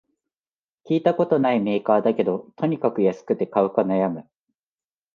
聞いたことないメーカーだけど、とにかく安くて買うか悩む